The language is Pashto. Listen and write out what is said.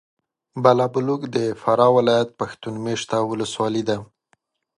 بالابلوک د فراه ولایت پښتون مېشته ولسوالي ده.